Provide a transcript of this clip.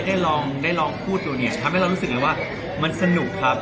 ได้ลองได้ลองพูดดูเนี่ยทำให้เรารู้สึกเลยว่ามันสนุกครับ